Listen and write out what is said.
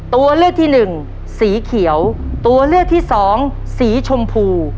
ตัวเลือกที่หนึ่งสีเขียวตัวเลือกที่สองสีชมพู